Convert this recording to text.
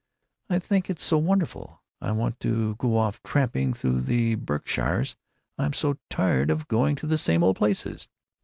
"I think it's so wonderful.... I want to go off tramping through the Berkshires. I'm so tired of going to the same old places."